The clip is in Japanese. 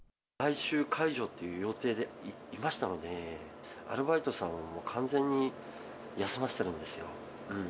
来週解除っていう予定でいましたので、アルバイトさんを完全に休ませてるんですよ。